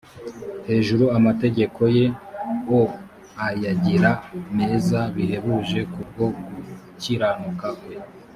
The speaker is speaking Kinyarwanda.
hejuru amategeko ye o ayagira meza bihebuje ku bwo gukiranuka kwe